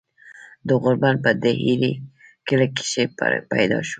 د غوربند پۀ ډهيرۍ کلي کښې پيدا شو ۔